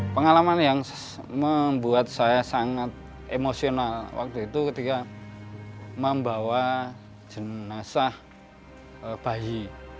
pengalaman yang membuat saya sangat emosional waktu itu ketika membawa jenazah bayi